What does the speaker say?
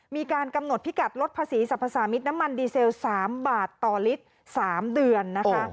มีการกำหนดพิกัดลดภาษีสรรพสามิตรน้ำมันดีเซล๓บาทต่อลิตร๓เดือนนะคะ